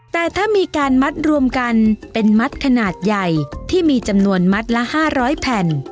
แต่ถ้ามีการมัดรวมกันเป็นมัดขนาดใหญ่ที่มีจำนวนมัดละ๕๐๐แผ่น